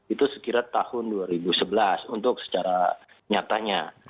itu sekiranya tahun dua ribu sebelas untuk secara nyatanya